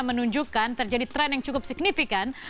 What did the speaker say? menunjukkan terjadi tren yang cukup signifikan